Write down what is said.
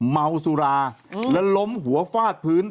เมาสุราแล้วล้มหัวฟาดพื้น